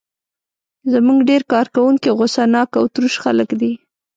زموږ ډېر کارکوونکي غوسه ناک او تروش خلک دي.